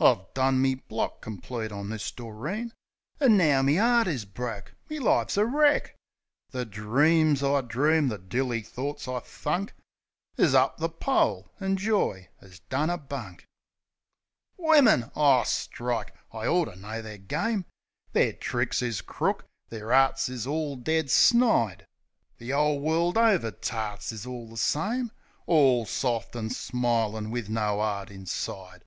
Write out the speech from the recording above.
I done me block complete on this Doreen, An' now me 'eart is broke, me life's wreck ! The dreams I dreamed, the dilly thorts I thunk Is up the pole, an' joy 'as done a bunk. Wimmin! O strike! I orter known the game! Their tricks is crook, their arts is all dead snide. The 'ole world over tarts is all the same; All soft an' smilin' wiv no 'eart inside.